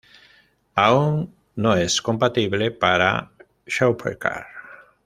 Aún no es compatible para Supercard.